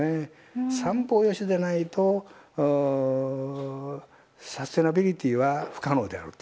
三方よしでないとサステナビリティは不可能である。